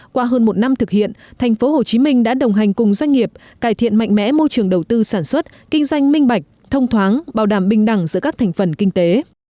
qua hơn một năm thực hiện tp hcm đã đồng hành cùng doanh nghiệp cải thiện mạnh mẽ môi trường đầu tư sản xuất kinh doanh minh bạch thông thoáng bảo đảm bình đẳng giữa các thành phần kinh tế